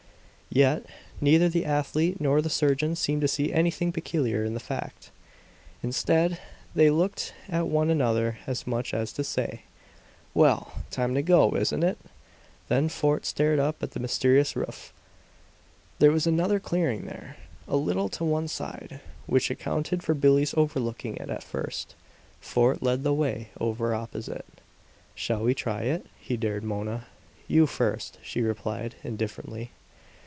Yet, neither the athlete nor the surgeon seemed to see anything peculiar in the fact. Instead, they looked at one another as much as to say, "Well, time to go, isn't it?" Then Fort stared up at the mysterious roof. There was another clearing there, a little to one side; which accounted for Billie's overlooking it at first. Fort led the way over opposite. "Shall we try it?" he dared Mona. "You first," she replied, indifferently.